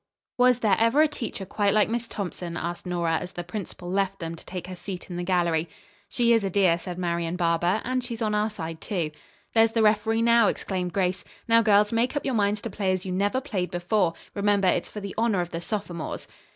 "Was there ever a teacher quite like Miss Thompson?" asked Nora as the principal left them to take her seat in the gallery. "She is a dear," said Marian Barber, "and she's on our side, too." "There's the referee now!" exclaimed Grace. "Now, girls, make up your minds to play as you never played before. Remember it's for the honor of the sophomores."